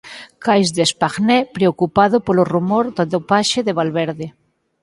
Caisse d'Epargne, preocupado polo rumor de dopaxe de Valverde